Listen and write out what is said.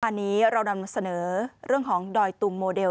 อันนี้เรานำเสนอเรื่องของดอยตุงโมเดล